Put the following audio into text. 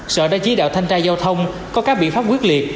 sở đã chỉ đạo thanh tra giao thông có các biện pháp quyết liệt